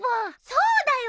そうだよ！